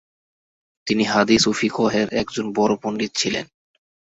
তিনি হাদিস ও ফিকহের একজন বড় পণ্ডিত ছিলেন।